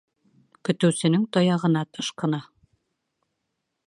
Көтөүсенең таяғына ышҡына.